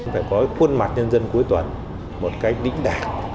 phải có khuôn mặt nhân dân cuối tuần một cách đĩnh đảng